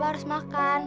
bapak harus makan